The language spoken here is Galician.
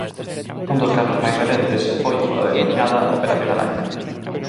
Un dos casos máis recentes foi o da denominada Operación Araña.